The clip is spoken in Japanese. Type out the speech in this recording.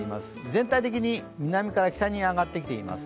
全体的に南から北に上がってきています。